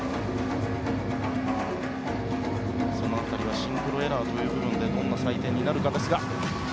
その辺りはシンクロエラーという部分でどんな採点になるかですが。